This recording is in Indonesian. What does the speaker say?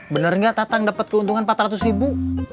bener gak tatang dapet keuntungan empat ratus ribu